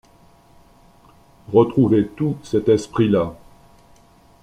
retrouvez tout cet esprit-là...